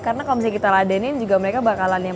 karena kalo misalnya kita ladenin juga mereka bakalan yang